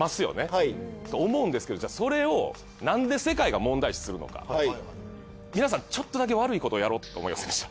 はい。と思うんですけどそれをなんで世界が問題視するのか皆さんちょっとだけ悪いことをやろうと思いませんでした？